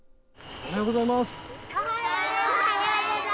おはようございます。